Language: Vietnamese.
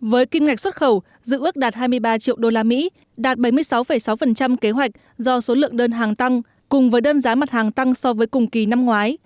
với kim ngạch xuất khẩu dự ước đạt hai mươi ba triệu usd đạt bảy mươi sáu sáu kế hoạch do số lượng đơn hàng tăng cùng với đơn giá mặt hàng tăng so với cùng kỳ năm ngoái